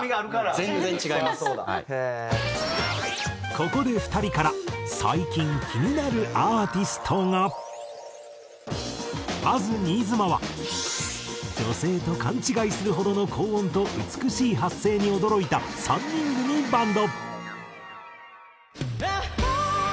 ここで２人から最近まず新妻は女性と勘違いするほどの高音と美しい発声に驚いた３人組バンド。